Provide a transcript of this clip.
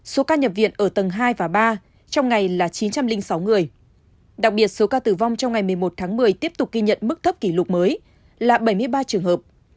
số ca nhập viện ở tầng hai và ba trong ngày là chín trăm linh sáu người đặc biệt số ca tử vong trong ngày một mươi một tháng một mươi tiếp tục ghi nhận mức thấp kỷ lục mới là bảy mươi ba trường hợp